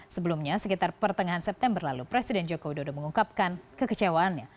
sebelumnya sekitar pertengahan september lalu presiden joko widodo mengungkapkan kekecewaannya